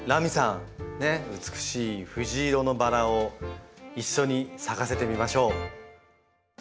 美しい藤色のバラを一緒に咲かせてみましょう。